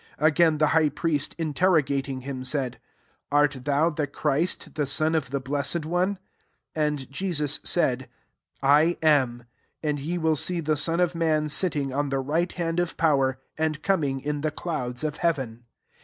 Ag^sdn^ the high priest interrogating him, said, << Art thou the Christy the son of the Blessed One ?^ 62 And Jesus said, " I am : and ye will see the Son of man sit ting on the right hand of power^ and coming in the clouds of heaven."